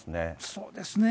そうですね。